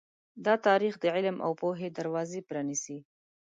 دا تاریخ د علم او پوهې دروازې پرانیزي.